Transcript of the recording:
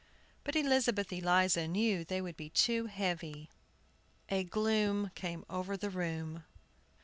But Elizabeth Eliza knew they would be too heavy. A gloom came over the room.